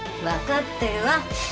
わかってるわ。